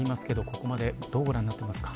ここまでどうご覧になっていますか。